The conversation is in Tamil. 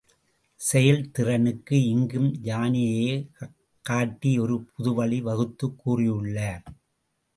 செயல்திறனுக்கு இங்கும் யானையையே காட்டி ஒரு புதுவழி வகுத்துக் கூறியுள்ளார்.